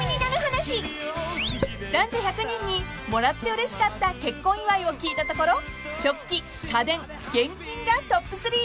［男女１００人にもらってうれしかった結婚祝いを聞いたところ食器家電現金がトップ３］